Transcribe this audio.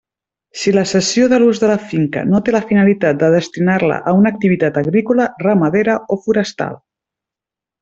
Si la cessió de l'ús de la finca no té la finalitat de destinar-la a una activitat agrícola, ramadera o forestal.